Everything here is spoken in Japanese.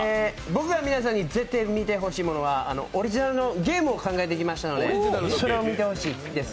僕が皆さんにぜってぇ見てほしいものはオリジナルのゲームを用意しましたのでそれを見てほしいです。